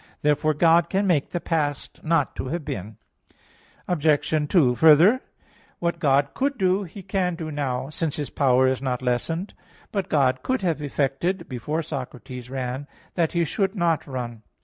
Therefore God can make the past not to have been. Obj. 2: Further, what God could do, He can do now, since His power is not lessened. But God could have effected, before Socrates ran, that he should not run.